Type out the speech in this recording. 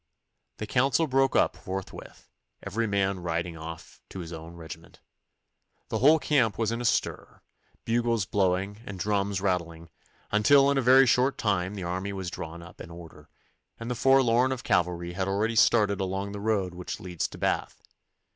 The council broke up forthwith, every man riding off to his own regiment. The whole camp was in a stir, bugles blowing and drums rattling, until in a very short time the army was drawn up in order, and the forlorn of cavalry had already started along the road which leads to Bath.